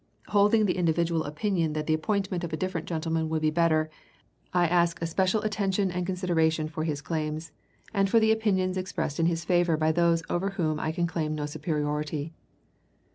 Holding the individual opinion that the appointment of a different gentleman would be better, I ask especial attention and consideration for his claims, and for the opinions expressed in his favor by those over whom I can claim no superiority."